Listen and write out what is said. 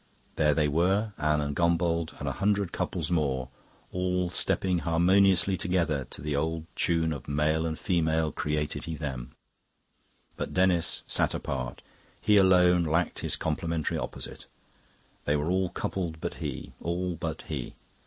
There they were, Anne and Gombauld, and a hundred couples more all stepping harmoniously together to the old tune of Male and Female created He them. But Denis sat apart; he alone lacked his complementary opposite. They were all coupled but he; all but he...